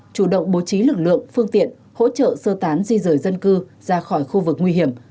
chủ động bố trí lực lượng phương tiện hỗ trợ sơ tán di rời dân cư ra khỏi khu vực nguy hiểm